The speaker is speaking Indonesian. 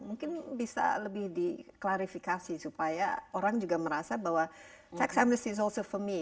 mungkin bisa lebih diklarifikasi supaya orang juga merasa bahwa tax amnesty is also for me